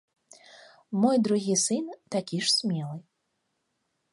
Мой другі сын такі ж смелы.